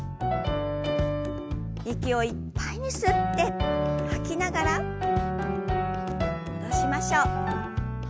息をいっぱいに吸って吐きながら戻しましょう。